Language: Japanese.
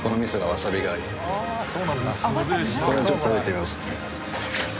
これをちょっと食べてみます。